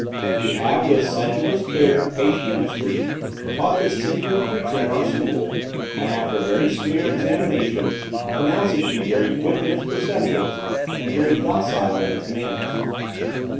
We have, with sedulous care and patient industry, taught this singular creature in our school, and after a very severe examination, pronounce it to be very quick in its perceptions and very docile in its manners.